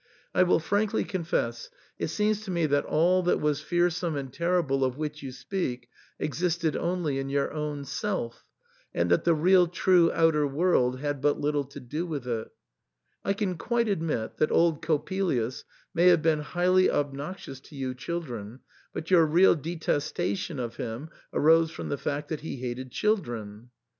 I will frankly confess, it seems to me that all that was fearsome and terrible of which you speak, existed only in your own self, and that the real true outer world had but little to do with it I can quite admit that old Coppelius may have been highly obnoxious to you children, but your real detestation of him arose from the fact that he hated children.